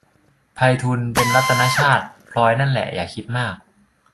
ไพฑูรย์ เป็นรัตนชาติ พลอยนั่นแหละ อย่าคิดมาก